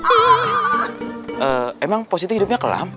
eee emang positi hidupnya kelam